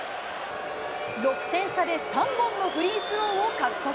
６点差で３本のフリースローを獲得。